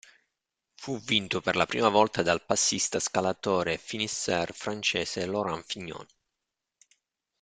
Fu vinto per la prima volta dal passista-scalatore e finisseur francese Laurent Fignon.